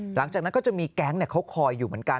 หลังจากนั้นก็จะมีแก๊งเขาคอยอยู่เหมือนกัน